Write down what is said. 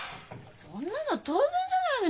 そんなの当然じゃないの！